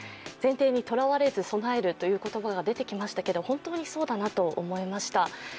前提にとらわれず備えるという言葉が出てきましたが、本当にそうだなと思いました。